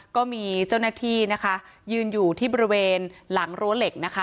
ก็มีเจ้าหน้าที่นะคะยืนอยู่ที่บริเวณหลังรั้วเหล็กนะคะ